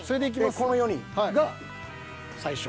えっこの４人？が最初。